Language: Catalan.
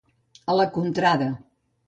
A la contrada.